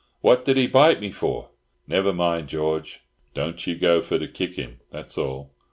"What did he bite me for?" "Never mind, George! Don't ye go for to kick him, that's all."